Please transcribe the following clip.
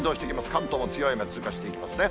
関東も強い雨、通過していきますね。